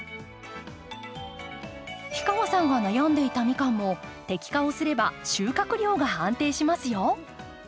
氷川さんが悩んでいたミカンも摘果をすれば収穫量が安定しますよ。